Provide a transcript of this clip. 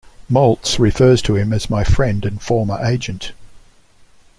Maltz refers to him as my friend and former agent.